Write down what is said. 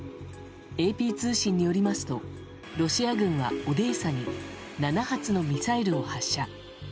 ＡＰ通信によりますとロシア軍はオデーサに７発のミサイルを発射。